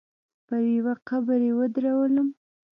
پر يوه قبر يې ودرولم.